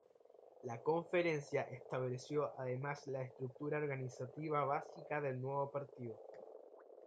La conferencia estableció además la estructura organizativa básica del nuevo partido.